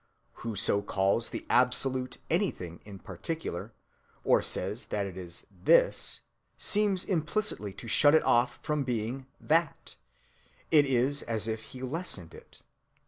Whoso calls the Absolute anything in particular, or says that it is this, seems implicitly to shut it off from being that—it is as if he lessened it.